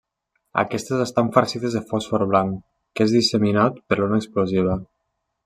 Aquestes estan farcides de fòsfor blanc, que és disseminat per l'ona explosiva.